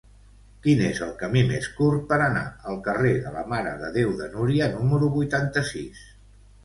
Quin és el camí més curt per anar al carrer de la Mare de Déu de Núria número vuitanta-sis?